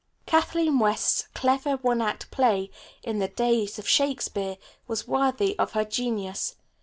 Kathleen West's clever one act play, "In the Days of Shakespeare," was worthy of her genius.